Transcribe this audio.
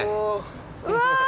うわ。